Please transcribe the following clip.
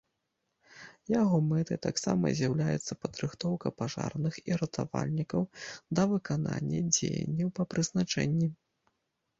Яго мэтай таксама з'яўляецца падрыхтоўка пажарных і ратавальнікаў да выканання дзеянняў па прызначэнні.